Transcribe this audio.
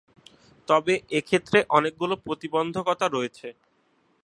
তবে এক্ষেত্রে অনেকগুলো প্রতিবন্ধকতা রয়েছে।